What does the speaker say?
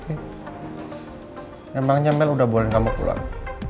emangnya mel udah buangin kamu pulang